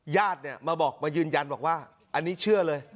ญาติเนี่ยมาบอกมายืนยันบอกว่าอันนี้เชื่อเลย